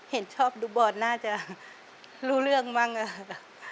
เห็นชอบดูบอลน่าจะรู้เรื่องบ้างอะค่ะ